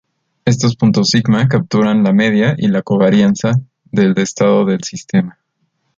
Estos puntos sigma capturan la media y la covarianza del estado del sistema.